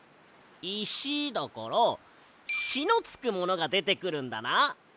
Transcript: いしだから「し」のつくものがでてくるんだな。